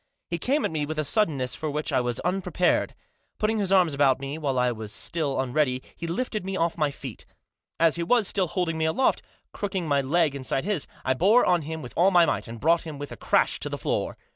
He came at me with a suddenness for which I was unprepared. Putting his arms about me while I was Digitized by Google LUKE. 209 still unready he lifted me off my feet. As he was still holding me aloft, crooking my leg inside his, I bore on him with all my might, and brought him with a crash to the floor.